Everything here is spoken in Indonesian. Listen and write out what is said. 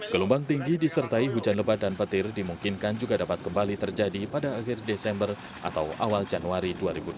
gelombang tinggi disertai hujan lebat dan petir dimungkinkan juga dapat kembali terjadi pada akhir desember atau awal januari dua ribu delapan belas